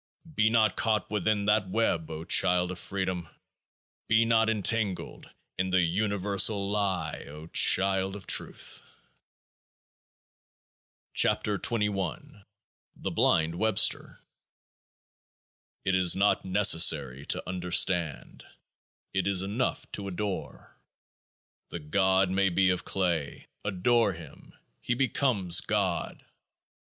Be not caught within that web, O child of Freedom ! Be not entangled in the universal lie, O child of Truth ! 29 KEOAAH KA THE BLIND WEBSTER It is not necessary to understand : it is enough to adore. The god may be of clay : adore him ; he be comes GOD.